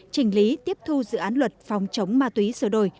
trình lý tiếp thu dự án luật phòng chống ma túy sửa đổi